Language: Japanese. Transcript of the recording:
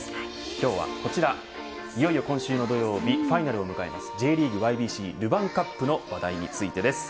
今日はこちら、いよいよ今週土曜日ファイナルを迎えるＪリーグＹＢＣルヴァンカップの話題についてです。